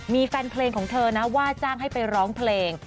มีแฟนเพลงของเธอนะว่าจ้างให้ไปร้องเพลง